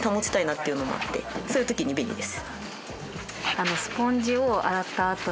そういう時に便利です。